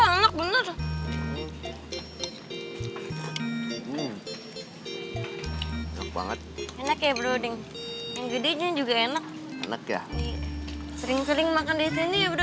enak banget enak ya broding juga enak enak ya sering sering makan di sini ya bro